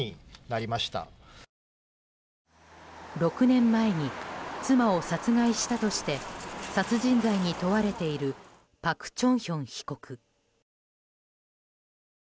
６年前に妻を殺害したとして殺人罪に問われているパク・チョンヒョン被告。